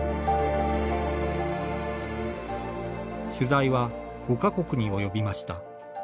取材は、５か国に及びました。